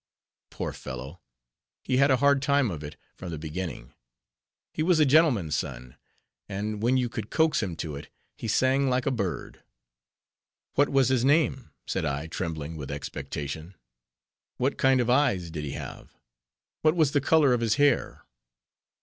Poor fellow, he had a hard time of it, from the beginning; he was a gentleman's son, and when you could coax him to it, he sang like a bird." "What was his name?" said I, trembling with expectation; "what kind of eyes did he have? what was the color of his hair?"